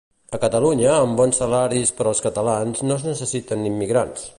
A Catalunya amb bons salaris per als catalans no es necessiten immigrants